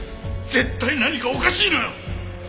絶対何かおかしいのよ！